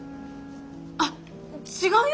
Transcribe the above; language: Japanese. あっ違うよ。